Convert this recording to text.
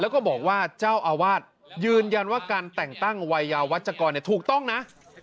แล้วก็บอกว่าเจ้าอาวาสยืนยันว่าการแต่งตั้งวัยยาวัชกรถูกต้องนะ